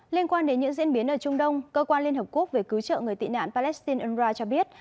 liên quan đến những diễn biến ở trung đông cơ quan liên hợp quốc về cứu trợ người tị nạn palestine unrwa cho biết